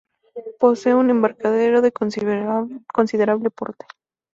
Posee un embarcadero de considerable porte.